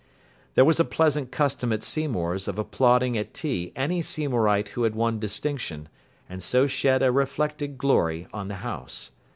There was a pleasant custom at Seymour's of applauding at tea any Seymourite who had won distinction, and so shed a reflected glory on the house.